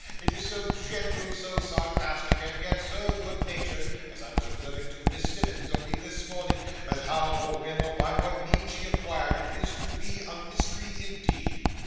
It is so gentle, so sarcastic, and yet so good natured (as I was observing to Miss Simmonds only this morning), that how, or when, or by what means she acquired it, is to me a mystery indeed."